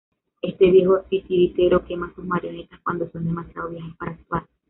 Este viejo titiritero quema sus marionetas cuando son demasiado viejas para actuar.